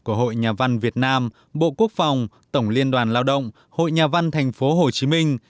của hội nhà văn việt nam bộ quốc phòng tổng liên đoàn lao động hội nhà văn thành phố hồ chí minh